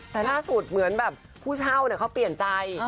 แต่ล่าสุดเหมือนแบบผู้เช่าเขาเปลี่ยนใจ